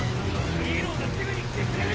ヒーローがすぐに来てくれる！